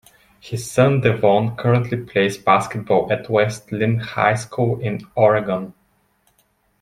His son Devon currently plays basketball at West Linn High School in Oregon.